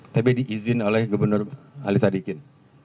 tapi diizin oleh gubernur ali sadikin